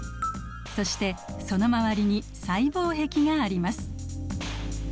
そしてその周りに細胞壁があります。